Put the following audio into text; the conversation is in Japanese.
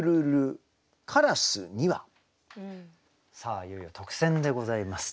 さあいよいよ特選でございます。